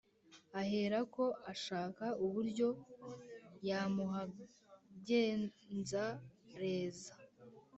aherako ashaka uburyo yamubagenzereza.